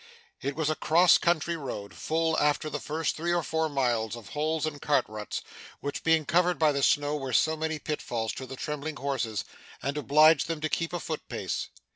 It was a cross country road, full, after the first three or four miles, of holes and cart ruts, which, being covered by the snow, were so many pitfalls to the trembling horses, and obliged them to keep a footpace.